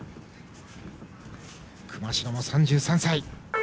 熊代も３３歳。